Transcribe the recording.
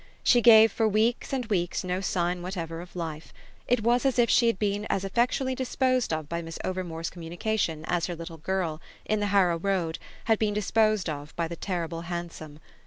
She gave for weeks and weeks no sign whatever of life: it was as if she had been as effectually disposed of by Miss Overmore's communication as her little girl, in the Harrow Road, had been disposed of by the terrible hansom.